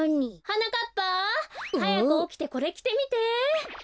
はやくおきてこれきてみて。